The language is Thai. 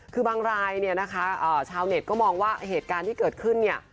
คือบางรายเนี่ยนะคะชาวเน็ตก็มองว่าเหตุการณ์ที่เกิดขึ้นเนี่ย